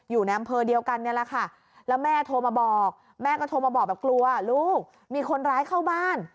อยู่ในอำเภอเดียวกันนี่แหละค่ะแล้วแม่โทรมาบอกแม่ก็โทรมาบอกแบบกลัวลูกมีคนร้ายเข้าบ้าน